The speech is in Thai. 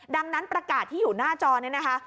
ดังนั้นประกาศที่อยู่หน้าจอนี้นะคะ